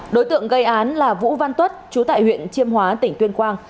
đối tượng gây án là vũ văn tuất chú tại huyện chiêm hóa tỉnh tuyên quang